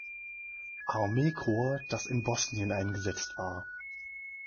Armeekorps, das in Bosnien eingesetzt war.